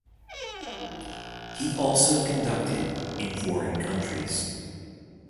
He also conducted in foreign countries.